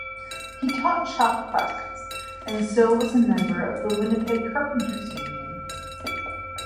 He taught shop classes, and so was a member of the Winnipeg carpenter's union.